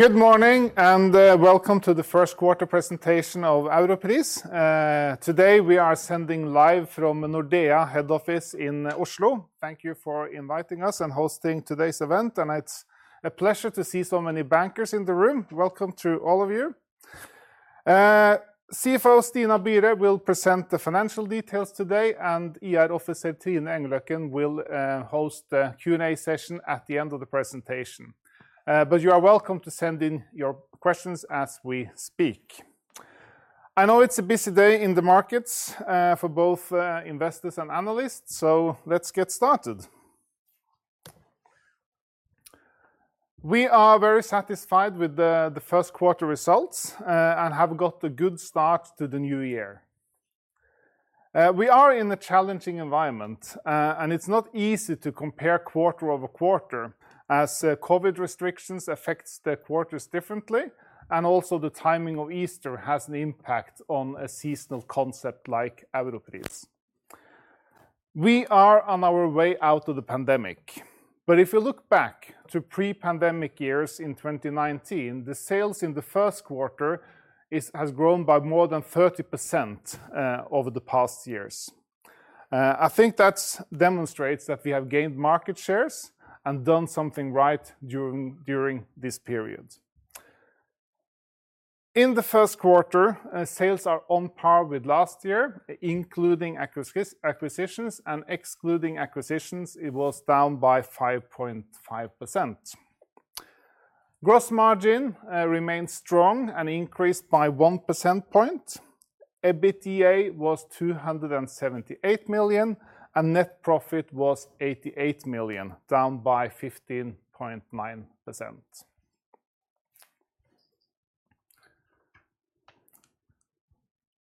Good morning and welcome to the first quarter presentation of Europris. Today we are streaming live from Nordea head office in Oslo. Thank you for inviting us and hosting today's event, and it's a pleasure to see so many bankers in the room. Welcome to all of you. CFO Stina Byre will present the financial details today, and IR Officer Trine Engløkken will host the Q&A session at the end of the presentation. You are welcome to send in your questions as we speak. I know it's a busy day in the markets for both investors and analysts, so let's get started. We are very satisfied with the first quarter results and have got a good start to the new year. We are in a challenging environment, and it's not easy to compare quarter-over-quarter as COVID restrictions affect the quarters differently and also the timing of Easter has an impact on a seasonal concept like Europris. We are on our way out of the pandemic, but if you look back to pre-pandemic years in 2019, the sales in the first quarter has grown by more than 30% over the past years. I think that demonstrates that we have gained market shares and done something right during this period. In the first quarter, sales are on par with last year, including acquisitions and excluding acquisitions it was down by 5.5%. Gross margin remained strong and increased by 1 percentage point. EBITDA was 278 million, and net profit was 88 million, down by 15.9%.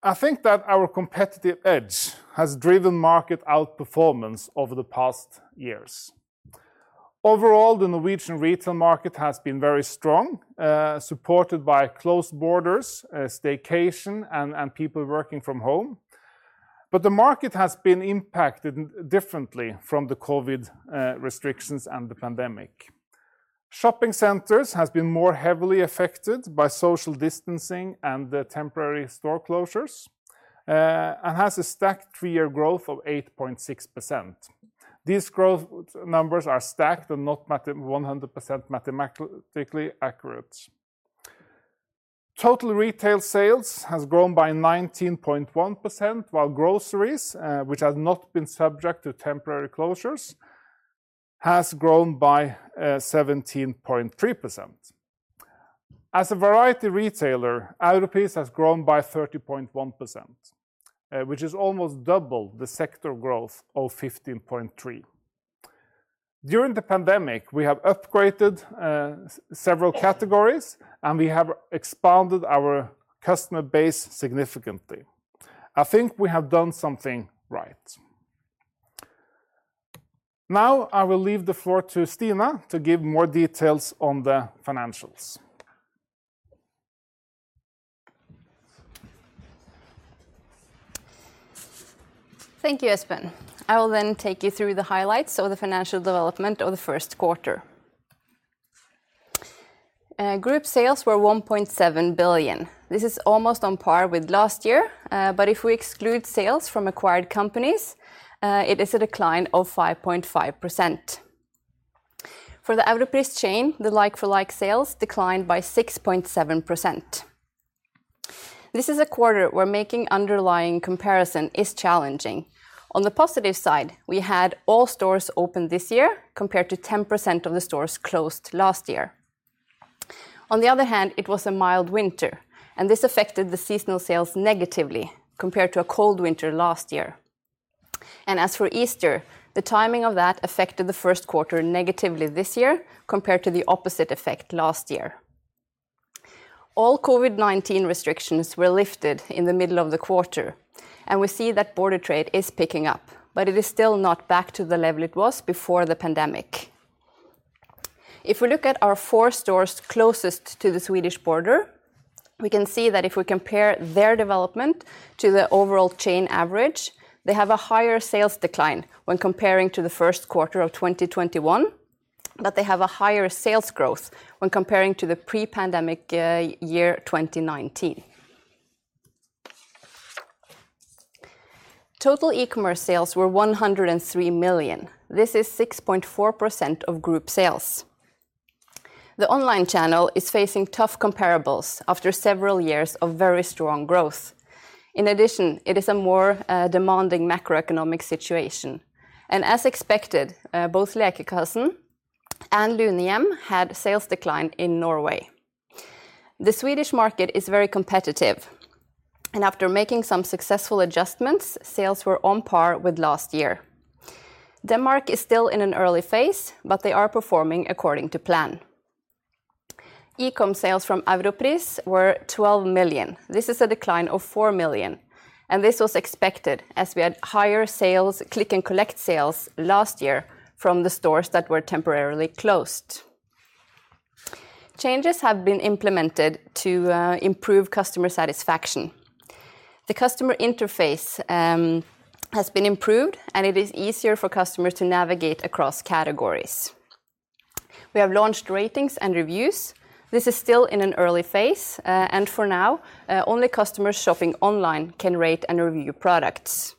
I think that our competitive edge has driven market outperformance over the past years. Overall, the Norwegian retail market has been very strong, supported by closed borders, staycation, and people working from home. The market has been impacted differently from the COVID restrictions and the pandemic. Shopping centers has been more heavily affected by social distancing and the temporary store closures, and has a stacked three-year growth of 8.6%. These growth numbers are stacked and not 100% mathematically accurate. Total retail sales has grown by 19.1%, while groceries, which has not been subject to temporary closures, has grown by 17.3%. As a variety retailer, Europris has grown by 30.1%, which is almost double the sector growth of 15.3%. During the pandemic, we have upgraded several categories, and we have expanded our customer base significantly. I think we have done something right. Now I will leave the floor to Stina to give more details on the financials. Thank you, Espen. I will then take you through the highlights of the financial development of the first quarter. Group sales were 1.7 billion. This is almost on par with last year, but if we exclude sales from acquired companies, it is a decline of 5.5%. For the Europris chain, the like-for-like sales declined by 6.7%. This is a quarter where making underlying comparison is challenging. On the positive side, we had all stores open this year compared to 10% of the stores closed last year. On the other hand, it was a mild winter, and this affected the seasonal sales negatively compared to a cold winter last year. As for Easter, the timing of that affected the first quarter negatively this year compared to the opposite effect last year. All COVID-19 restrictions were lifted in the middle of the quarter, and we see that border trade is picking up, but it is still not back to the level it was before the pandemic. If we look at our 4 stores closest to the Swedish border, we can see that if we compare their development to the overall chain average, they have a higher sales decline when comparing to the first quarter of 2021, but they have a higher sales growth when comparing to the pre-pandemic year, 2019. Total e-commerce sales were 103 million. This is 6.4% of group sales. The online channel is facing tough comparables after several years of very strong growth. In addition, it is a more demanding macroeconomic situation, and as expected, both Lekekassen and Lunehjem had sales decline in Norway. The Swedish market is very competitive, and after making some successful adjustments, sales were on par with last year. Denmark is still in an early phase, but they are performing according to plan. E-com sales from Europris were 12 million. This is a decline of 4 million, and this was expected as we had higher sales, click-and-collect sales last year from the stores that were temporarily closed. Changes have been implemented to improve customer satisfaction. The customer interface has been improved, and it is easier for customers to navigate across categories. We have launched ratings and reviews. This is still in an early phase, and for now, only customers shopping online can rate and review products.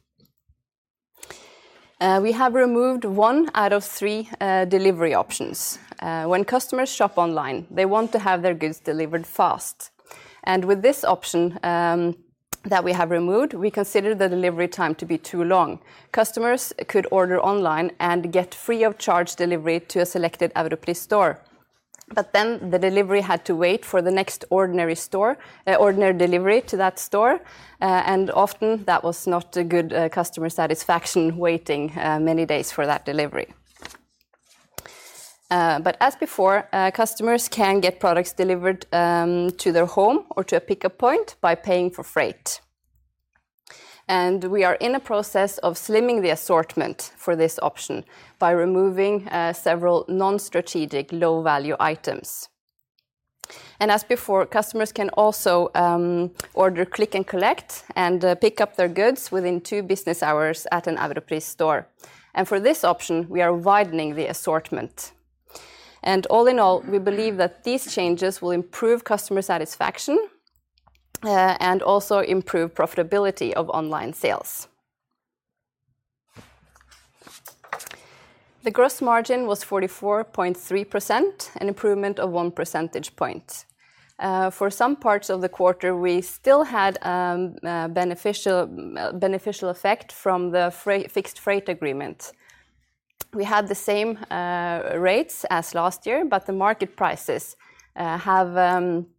We have removed one out of three delivery options. When customers shop online, they want to have their goods delivered fast, and with this option that we have removed, we consider the delivery time to be too long. Customers could order online and get free of charge delivery to a selected Europris store. The delivery had to wait for the next ordinary store delivery to that store, and often that was not a good customer satisfaction waiting many days for that delivery. As before, customers can get products delivered to their home or to a pickup point by paying for freight. We are in a process of slimming the assortment for this option by removing several non-strategic low-value items. As before, customers can also order click-and-collect and pick up their goods within two business hours at a Europris store. For this option, we are widening the assortment. All in all, we believe that these changes will improve customer satisfaction and also improve profitability of online sales. The gross margin was 44.3%, an improvement of one percentage point. For some parts of the quarter, we still had a beneficial effect from the fixed freight agreement. We had the same rates as last year, but the market prices to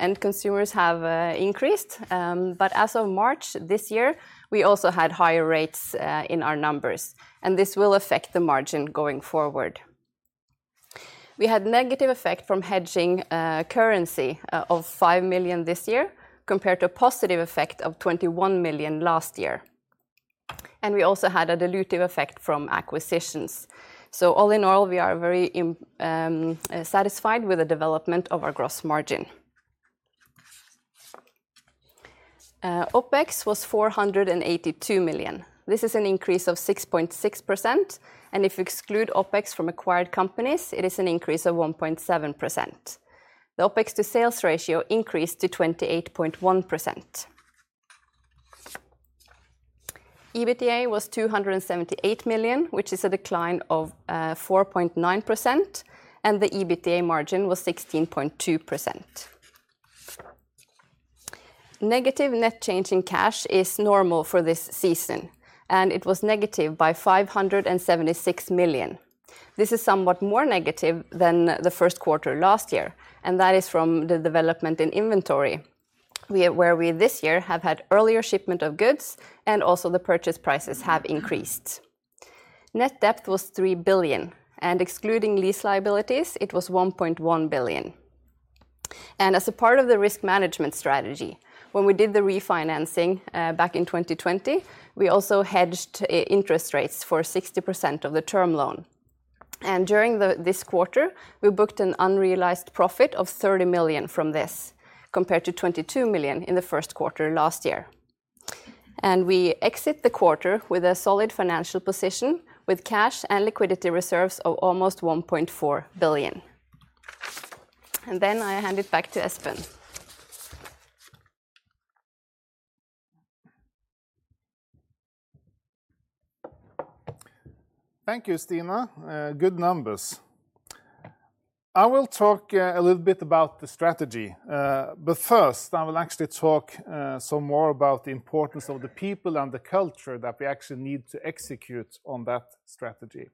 end consumers have increased. As of March this year, we also had higher rates in our numbers, and this will affect the margin going forward. We had negative effect from hedging currency of 5 million this year, compared to a positive effect of 21 million last year. We also had a dilutive effect from acquisitions. All in all, we are very satisfied with the development of our gross margin. OpEx was 482 million. This is an increase of 6.6%, and if you exclude OpEx from acquired companies, it is an increase of 1.7%. The OpEx to sales ratio increased to 28.1%. EBITDA was 278 million, which is a decline of 4.9%, and the EBITDA margin was 16.2%. Negative net change in cash is normal for this season, and it was negative by 576 million. This is somewhat more negative than the first quarter last year, and that is from the development in inventory, where we this year have had earlier shipment of goods and also the purchase prices have increased. Net debt was 3 billion and excluding lease liabilities, it was 1.1 billion. As a part of the risk management strategy, when we did the refinancing back in 2020, we also hedged interest rates for 60% of the term loan. During this quarter, we booked an unrealized profit of 30 million from this, compared to 22 million in the first quarter last year. We exit the quarter with a solid financial position with cash and liquidity reserves of almost 1.4 billion. Then I hand it back to Espen. Thank you, Stina. Good numbers. I will talk a little bit about the strategy. First, I will actually talk some more about the importance of the people and the culture that we actually need to execute on that strategy.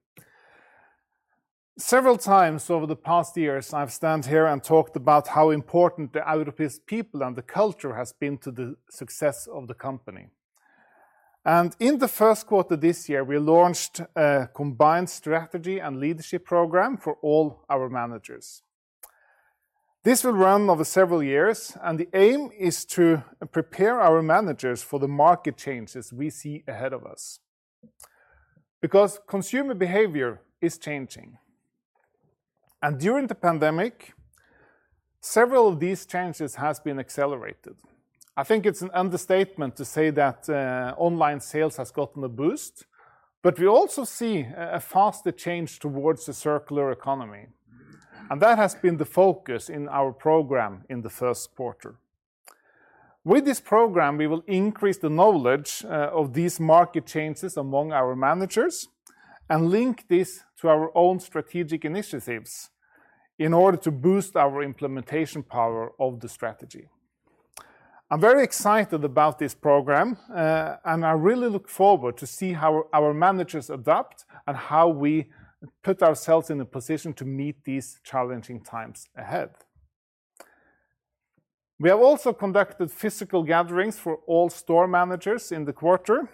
Several times over the past years, I've stand here and talked about how important the Europris people and the culture has been to the success of the company. In the first quarter this year, we launched a combined strategy and leadership program for all our managers. This will run over several years, and the aim is to prepare our managers for the market changes we see ahead of us. Because consumer behavior is changing. During the pandemic, several of these changes has been accelerated. I think it's an understatement to say that online sales has gotten a boost, but we also see a faster change towards the circular economy. That has been the focus in our program in the first quarter. With this program, we will increase the knowledge of these market changes among our managers and link this to our own strategic initiatives in order to boost our implementation power of the strategy. I'm very excited about this program, and I really look forward to see how our managers adapt and how we put ourselves in a position to meet these challenging times ahead. We have also conducted physical gatherings for all store managers in the quarter,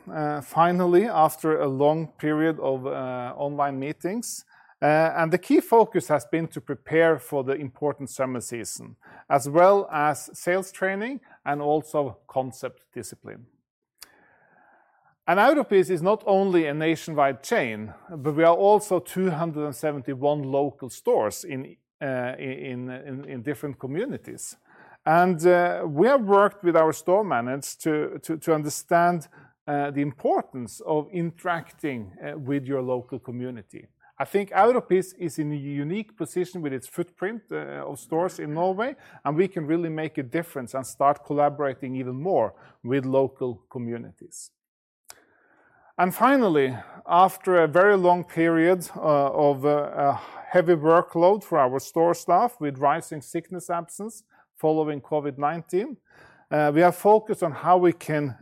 finally, after a long period of online meetings. The key focus has been to prepare for the important summer season, as well as sales training and also concept discipline. Europris is not only a nationwide chain, but we are also 271 local stores in different communities. We have worked with our store managers to understand the importance of interacting with your local community. I think Europris is in a unique position with its footprint of stores in Norway, and we can really make a difference and start collaborating even more with local communities. Finally, after a very long period of heavy workload for our store staff with rising sickness absence following COVID-19, we are focused on how we can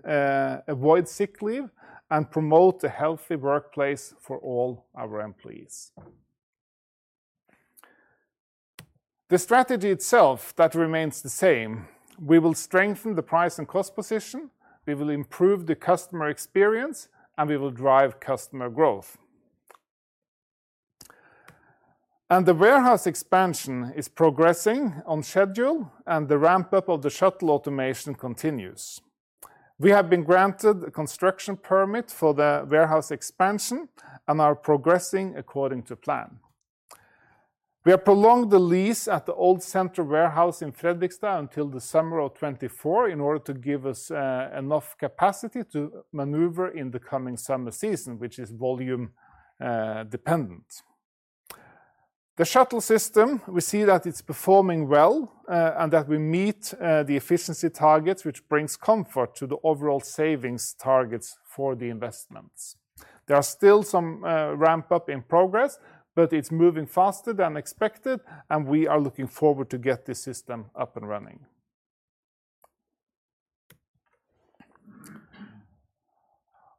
avoid sick leave and promote a healthy workplace for all our employees. The strategy itself that remains the same, we will strengthen the price and cost position, we will improve the customer experience, and we will drive customer growth. The warehouse expansion is progressing on schedule and the ramp-up of the shuttle automation continues. We have been granted a construction permit for the warehouse expansion and are progressing according to plan. We have prolonged the lease at the old center warehouse in Fredrikstad until the summer of 2024 in order to give us enough capacity to maneuver in the coming summer season, which is volume dependent. The shuttle system, we see that it's performing well and that we meet the efficiency targets, which brings comfort to the overall savings targets for the investments. There are still some ramp-up in progress, but it's moving faster than expected, and we are looking forward to get this system up and running.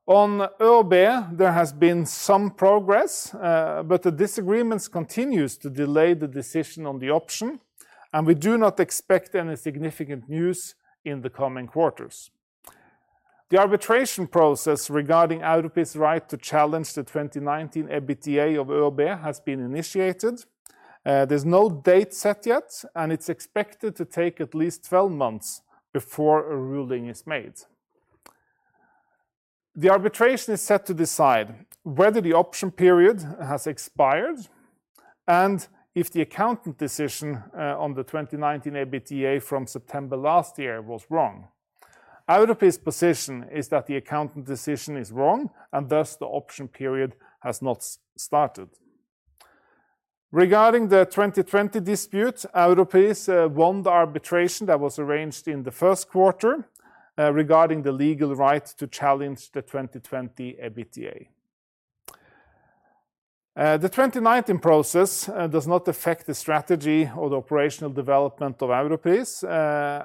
On ÖoB, there has been some progress, but the disagreements continues to delay the decision on the option, and we do not expect any significant news in the coming quarters. The arbitration process regarding Europris' right to challenge the 2019 EBITDA of ÖoB has been initiated. There's no date set yet, and it's expected to take at least 12 months before a ruling is made. The arbitration is set to decide whether the option period has expired and if the accountant decision on the 2019 EBITDA from September last year was wrong. Europris' position is that the accountant decision is wrong and thus the option period has not started. Regarding the 2020 dispute, Europris won the arbitration that was arranged in the first quarter, regarding the legal right to challenge the 2020 EBITDA. The 2019 process does not affect the strategy or the operational development of Europris,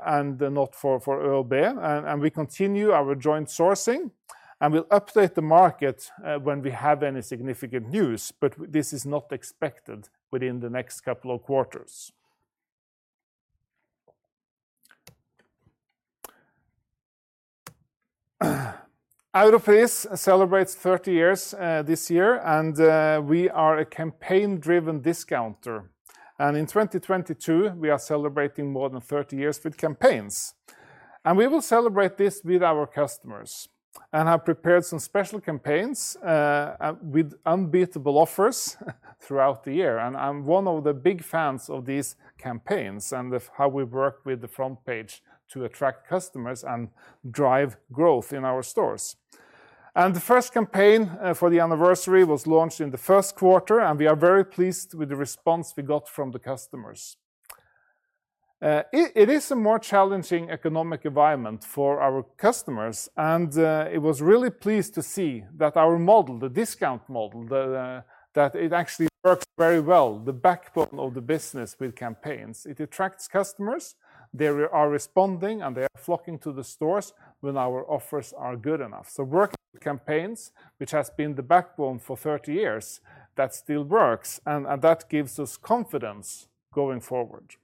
and not for ÖoB, and we continue our joint sourcing, and we'll update the market when we have any significant news, but this is not expected within the next couple of quarters. Europris celebrates 30 years this year, and we are a campaign-driven discounter. In 2022, we are celebrating more than 30 years with campaigns. We will celebrate this with our customers and have prepared some special campaigns with unbeatable offers throughout the year. I'm one of the big fans of these campaigns and of how we work with the front page to attract customers and drive growth in our stores. The first campaign for the anniversary was launched in the first quarter, and we are very pleased with the response we got from the customers. It is a more challenging economic environment for our customers, and we were really pleased to see that our model, the discount model, that it actually works very well, the backbone of the business with campaigns. It attracts customers. They are responding, and they are flocking to the stores when our offers are good enough. Working with campaigns, which has been the backbone for 30 years, that still works, and that gives us confidence going forward.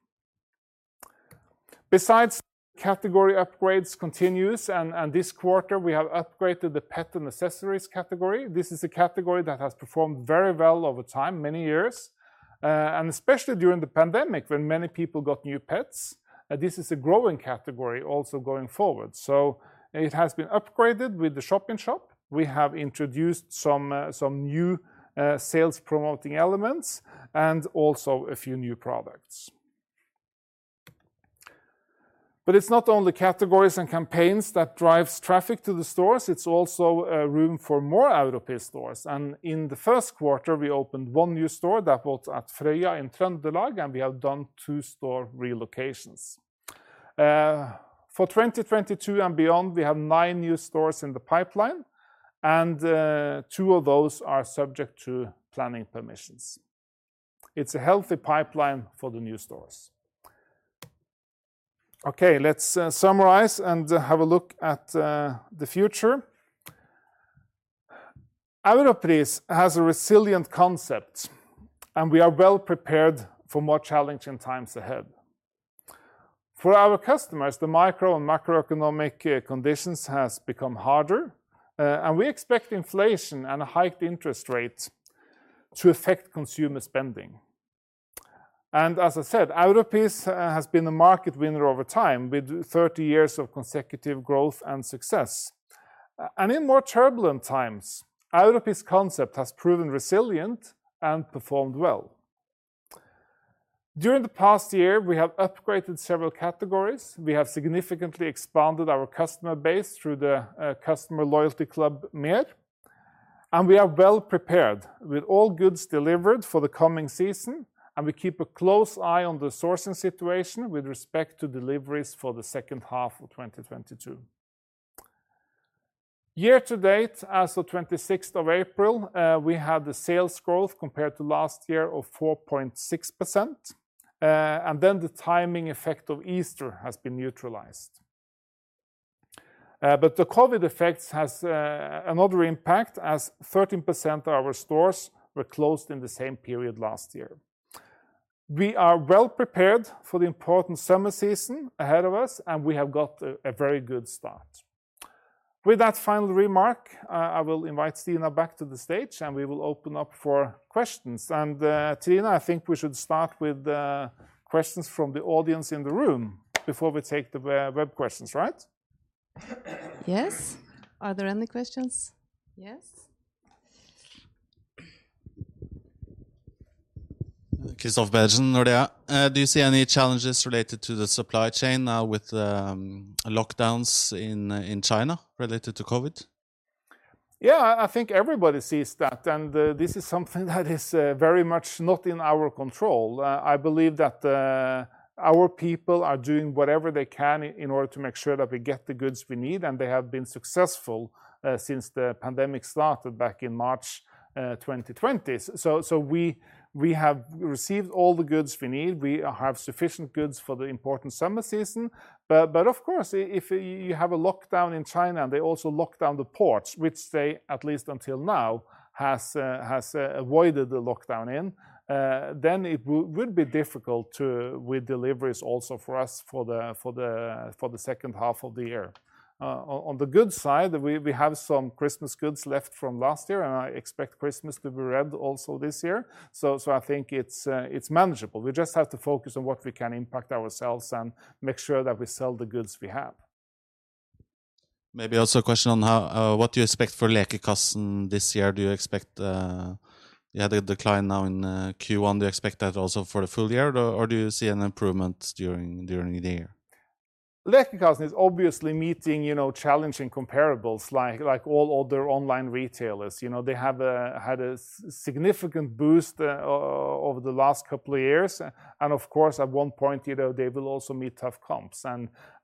Besides, category upgrades continue, and this quarter we have upgraded the pet and accessories category. This is a category that has performed very well over time, many years, and especially during the pandemic when many people got new pets. This is a growing category also going forward. It has been upgraded with the shop-in-shop. We have introduced some new sales promoting elements and also a few new products. It's not only categories and campaigns that drive traffic to the stores, it's also room for more Europris stores. In the first quarter, we opened one new store that was at Frøya in Trøndelag, and we have done two store relocations. For 2022 and beyond, we have nine new stores in the pipeline, and two of those are subject to planning permissions. It's a healthy pipeline for the new stores. Okay, let's summarize and have a look at the future. Europris has a resilient concept, and we are well prepared for more challenging times ahead. For our customers, the micro and macroeconomic conditions has become harder, and we expect inflation and a hiked interest rate to affect consumer spending. As I said, Europris has been a market winner over time with 30 years of consecutive growth and success. In more turbulent times, Europris' concept has proven resilient and performed well. During the past year, we have upgraded several categories. We have significantly expanded our customer base through the customer loyalty club, MER. We are well prepared with all goods delivered for the coming season, and we keep a close eye on the sourcing situation with respect to deliveries for the second half of 2022. Year to date as of 26th of April, we had the sales growth compared to last year of 4.6%. The timing effect of Easter has been neutralized. The COVID effects has another impact as 13% of our stores were closed in the same period last year. We are well prepared for the important summer season ahead of us, and we have got a very good start. With that final remark, I will invite Stina back to the stage, and we will open up for questions. Stina, I think we should start with the questions from the audience in the room before we take the web questions, right? Yes. Are there any questions? Yes. Kristoffer Bergersen, Nordea. Do you see any challenges related to the supply chain now with the lockdowns in China related to COVID? Yeah, I think everybody sees that, and this is something that is very much not in our control. I believe that our people are doing whatever they can in order to make sure that we get the goods we need, and they have been successful since the pandemic started back in March 2020. We have received all the goods we need. We have sufficient goods for the important summer season. Of course, if you have a lockdown in China, and they also lock down the ports, which they at least until now have avoided the lockdown in, then it would be difficult too with deliveries also for us for the second half of the year. On the good side, we have some Christmas goods left from last year, and I expect Christmas to be red also this year. I think it's manageable. We just have to focus on what we can impact ourselves and make sure that we sell the goods we have. Maybe also a question on how what do you expect for Lekekassen this year? Do you expect you had a decline now in Q1. Do you expect that also for the full year, or do you see an improvement during the year? Lekekassen is obviously meeting, you know, challenging comparables like all other online retailers. You know, they had a significant boost over the last couple of years. Of course, at one point, you know, they will also meet tough comps.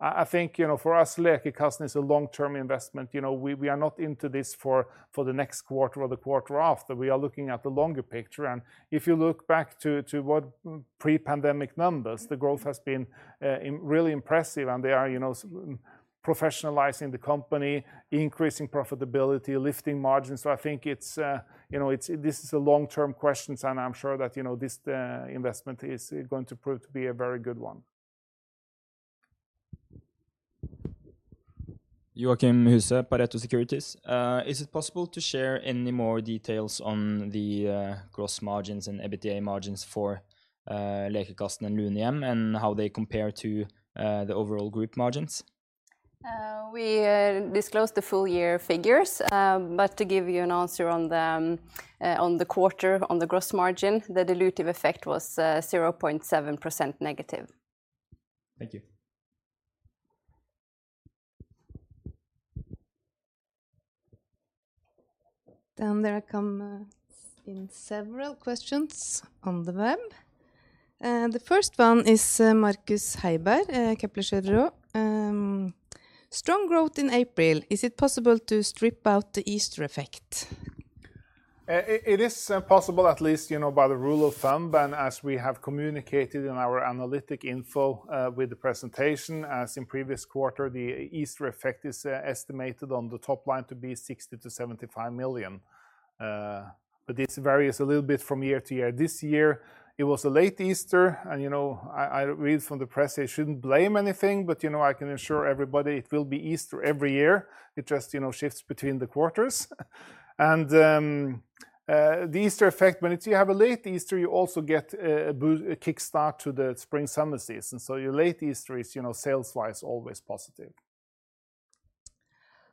I think, you know, for us Lekekassen is a long-term investment. You know, we are not into this for the next quarter or the quarter after. We are looking at the longer picture. If you look back to what pre-pandemic numbers, the growth has been really impressive, and they are, you know, professionalizing the company, increasing profitability, lifting margins. I think it's, you know, this is a long-term question, and I'm sure that, you know, this investment is going to prove to be a very good one. Joachim Huse, Pareto Securities. Is it possible to share any more details on the gross margins and EBITDA margins for Lekekassen and Lunehjem and how they compare to the overall group margins? We disclosed the full year figures. To give you an answer on the quarter, on the gross margin, the dilutive effect was 0.7% negative. Thank you. There are several questions on the web. The first one is Markus Heiberg, Kepler Cheuvreux. Strong growth in April. Is it possible to strip out the Easter effect? It is possible at least, you know, by the rule of thumb. As we have communicated in our analytical info with the presentation, as in previous quarter, the Easter effect is estimated on the top line to be 60-75 million. This varies a little bit from year to year. This year it was a late Easter and, you know, I read from the press they shouldn't blame anything, but, you know, I can assure everybody it will be Easter every year. It just, you know, shifts between the quarters. The Easter effect, when you have a late Easter, you also get a kickstart to the spring summer season. Your late Easter is, you know, sales wise always positive.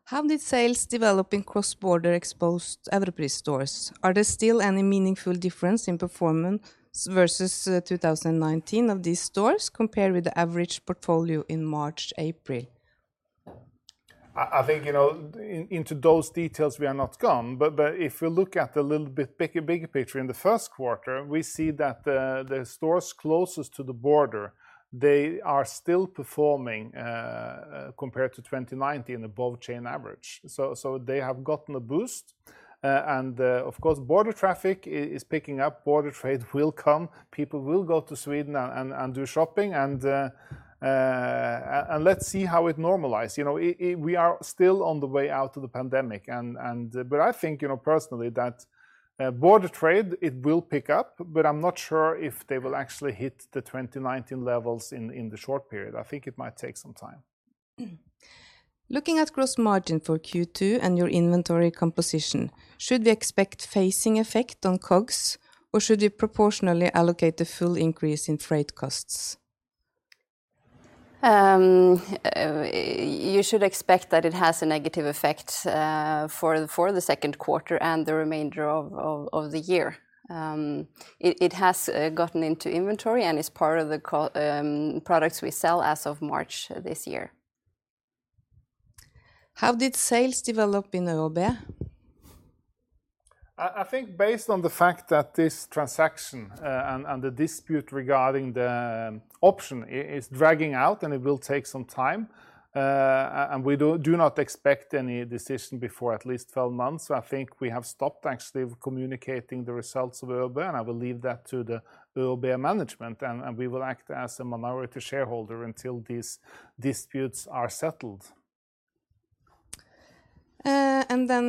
How did sales develop in cross-border exposed Europris stores? Are there still any meaningful difference in performance versus 2019 of these stores compared with the average portfolio in March, April? I think, you know, into those details we have not gone, but if you look at the little bit bigger picture in the first quarter, we see that the stores closest to the border, they are still performing compared to 2019 above chain average. So they have gotten a boost. Of course, border traffic is picking up. Border trade will come. People will go to Sweden and do shopping and let's see how it normalize. You know, it we are still on the way out of the pandemic and. I think, you know, personally that border trade, it will pick up, but I'm not sure if they will actually hit the 2019 levels in the short period. I think it might take some time. Looking at gross margin for Q2 and your inventory composition, should we expect phasing effect on COGS or should we proportionally allocate the full increase in freight costs? You should expect that it has a negative effect for the second quarter and the remainder of the year. It has gotten into inventory and is part of the products we sell as of March this year. How did sales develop in ÖoB? I think based on the fact that this transaction and the dispute regarding the option is dragging out and it will take some time. We do not expect any decision before at least 12 months. I think we have stopped actually communicating the results of ÖoB and I will leave that to the ÖoB management and we will act as a minority shareholder until these disputes are settled.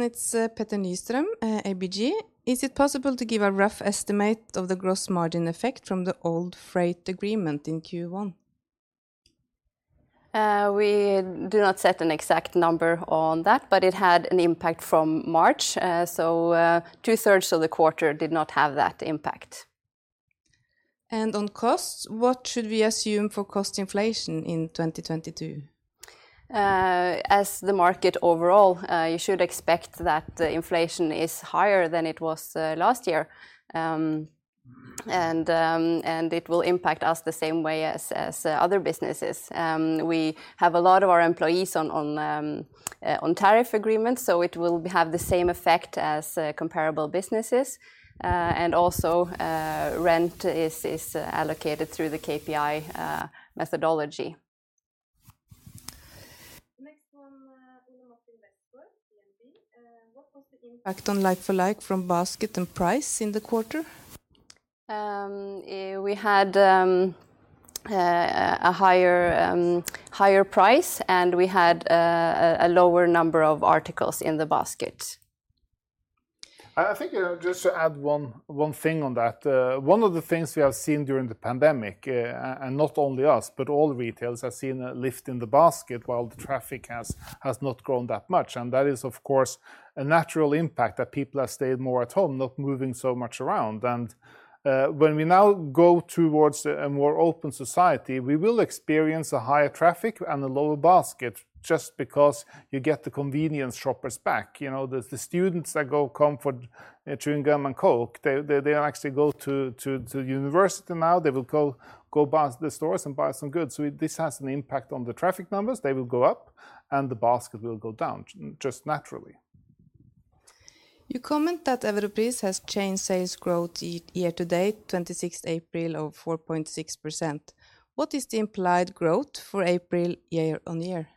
It's Petter Nystrøm, ABG. Is it possible to give a rough estimate of the gross margin effect from the old freight agreement in Q1? We do not set an exact number on that, but it had an impact from March. Two-thirds of the quarter did not have that impact. On costs, what should we assume for cost inflation in 2022? As the market overall, you should expect that inflation is higher than it was last year. It will impact us the same way as other businesses. We have a lot of our employees on tariff agreements, so it will have the same effect as comparable businesses. Rent is allocated through the CPI methodology. Next one, Ole Martin Westgaard, DNB. What was the impact on like-for-like from basket and price in the quarter? We had a higher price, and we had a lower number of articles in the basket. I think just to add one thing on that. One of the things we have seen during the pandemic, and not only us, but all retailers have seen a lift in the basket while the traffic has not grown that much. When we now go towards a more open society, we will experience a higher traffic and a lower basket just because you get the convenience shoppers back. You know, the students that come for chewing gum and Coke, they actually go to university now. They will go past the stores and buy some goods. This has an impact on the traffic numbers. They will go up and the basket will go down just naturally. You comment that Europris has achieved sales growth year to date, April 26, of 4.6%. What is the implied growth for April year-over-year?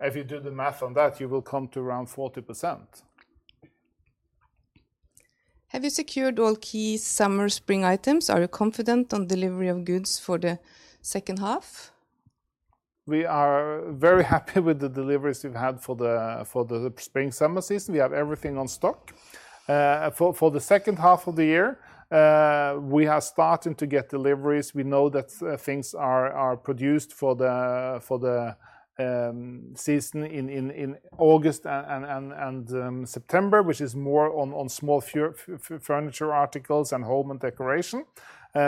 If you do the math on that, you will come to around 40%. Have you secured all key summer/spring items? Are you confident on delivery of goods for the second half? We are very happy with the deliveries we've had for the spring/summer season. We have everything on stock. For the second half of the year, we have started to get deliveries. We know that things are produced for the season in August and September, which is more on small furniture articles and home and decoration.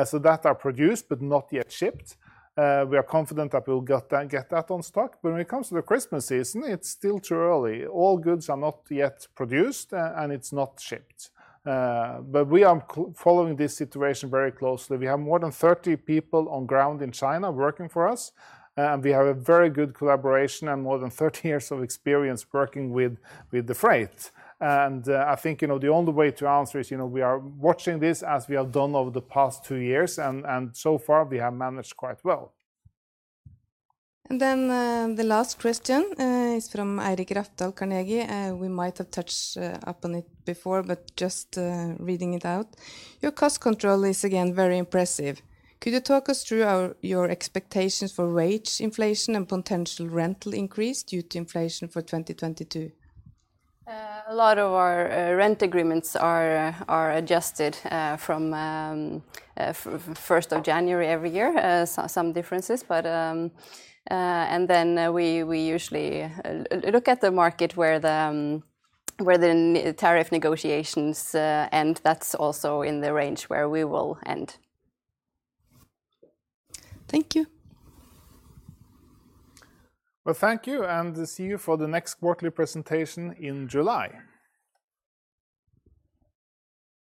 So that are produced but not yet shipped. We are confident that we'll get that on stock. When it comes to the Christmas season, it's still too early. All goods are not yet produced and it's not shipped. We are following this situation very closely. We have more than 30 people on ground in China working for us, and we have a very good collaboration and more than 30 years of experience working with the freight. I think, you know, the only way to answer is, you know, we are watching this as we have done over the past two years, and so far we have managed quite well. The last question is from Eirik Rafdal, Carnegie. We might have touched upon it before, but just reading it out. Your cost control is again very impressive. Could you talk us through your expectations for wage inflation and potential rental increase due to inflation for 2022? A lot of our rent agreements are adjusted from first of January every year. Some differences, but we usually look at the market where the tariff negotiations end. That's also in the range where we will end. Thank you. Well, thank you, and see you for the next quarterly presentation in July.